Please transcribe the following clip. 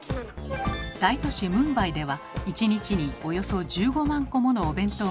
大都市ムンバイでは１日におよそ１５万個ものお弁当が運ばれます。